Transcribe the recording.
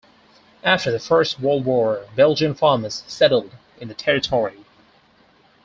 After the First World War Belgian farmers settled in the territory.